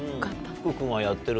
福君はやってる？